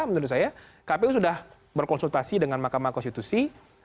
menurut saya kpu sudah berkonsultasi dengan mahkamah konstitusi